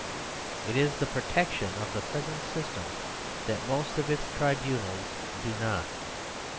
It is the protection of the present system that most of its tribunals do not.